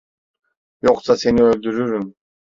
Yoksa seni öldürürüm.